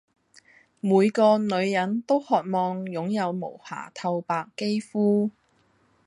每個女人都渴望擁有無瑕透白肌膚